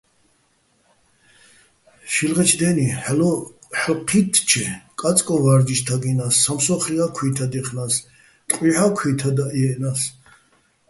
შილღეჩო̆ დე́ნი, ჰ̦ალო̆ ჴი́თთჩე, კაწკოჼ ვა́რჯიშ თაგჲინა́ს, სამსო́ხრია́ ქუჲთად ჲეხნა́ს, ტყუჲჰ̦ა́ ქუჲთადაჸ ჲე́ჸნა́ს.